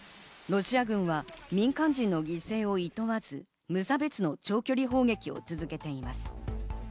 ロシア軍は民間人の犠牲をいとわず、無差別の長距離砲撃を続けています。